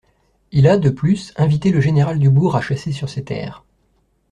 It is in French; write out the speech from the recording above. Il a, de plus, invité le général du Bourg à chasser sur ses terres.